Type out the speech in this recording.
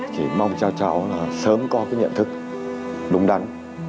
chỉ mong cho cháu là sớm có cái nhận thức đúng đắn